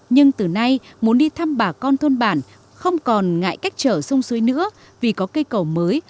nhưng từ nay muốn đi thăm bà con thôn bản không còn ngại cách trở sông suối nữa vì có cây cầu mới